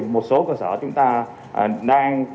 một số cơ sở chúng ta đang